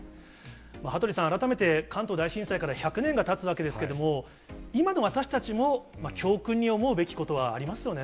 羽鳥さん、改めて、関東大震災から１００年がたつわけですけれども、今の私たちも教訓に思うべきことはありますよね。